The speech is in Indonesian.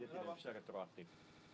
jadi ini bisa retoratif